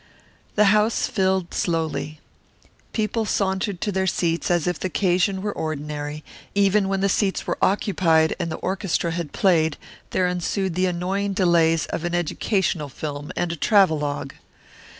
The house filled slowly. People sauntered to their seats as if the occasion were ordinary; even when the seats were occupied and the orchestra had played, there ensued the annoying delays of an educational film and a travelogue.